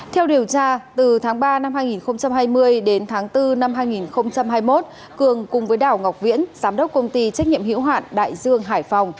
theo điều tra từ tháng ba năm hai nghìn hai mươi đến tháng bốn năm hai nghìn hai mươi một cường cùng với đảo ngọc viễn phan thanh hiểu sám đốc công ty trách nhiệm hữu hạn đại dương hải phòng